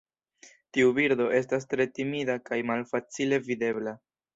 Tiu birdo estas tre timida kaj malfacile videbla.